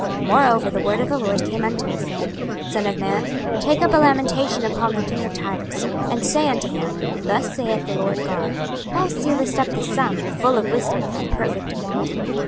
26:028:011 Moreover the word of the LORD came unto me, saying, 26:028:012 Son of man, take up a lamentation upon the king of Tyrus, and say unto him, Thus saith the Lord GOD; Thou sealest up the sum, full of wisdom, and perfect in beauty.